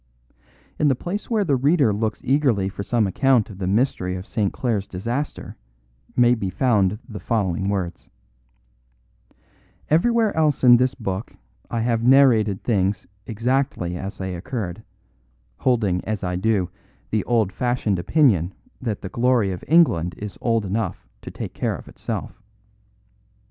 In the place where the reader looks eagerly for some account of the mystery of St. Clare's disaster may be found the following words: 'Everywhere else in this book I have narrated things exactly as they occurred, holding as I do the old fashioned opinion that the glory of England is old enough to take care of itself.